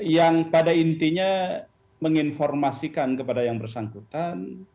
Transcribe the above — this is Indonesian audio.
yang pada intinya menginformasikan kepada yang bersangkutan